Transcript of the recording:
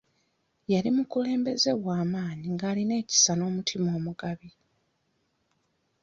Yali mukulembeze wa maanyi ng'alina ekisa n'omutima omugabi.